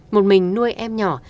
một mình nuôi em nhỏ